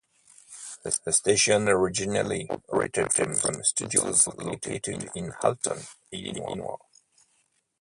The station originally operated from studios located in Alton, Illinois.